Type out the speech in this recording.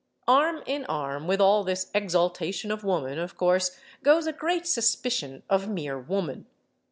Arm in arm with all this exaltation of Woman, of course, goes a great suspicion of mere woman.